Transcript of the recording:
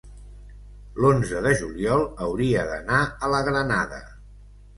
l'onze de juliol hauria d'anar a la Granada.